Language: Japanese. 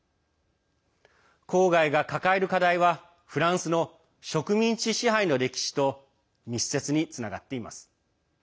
郊外が抱える課題はフランスの植民地支配の歴史と密接につながっています。